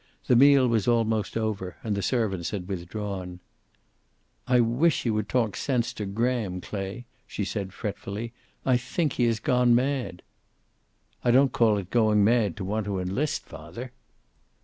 The meal was almost over, and the servants had withdrawn. "I wish you would talk sense to Graham, Clay," she said, fretfully. "I think he has gone mad." "I don't call it going mad to want to enlist, father."